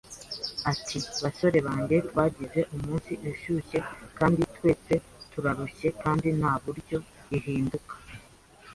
Ati: "Basore banjye, twagize umunsi ushushe kandi twese turarushye kandi nta buryo. Ihinduka